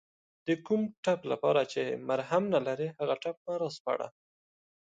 د کوم ټپ لپاره چې مرهم نلرې هغه ټپ مه راسپړه